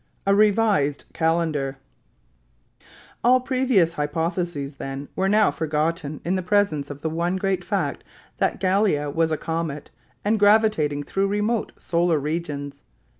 A REVISED CALENDAR All previous hypotheses, then, were now forgotten in the presence of the one great fact that Gallia was a comet and gravitating through remote solar regions.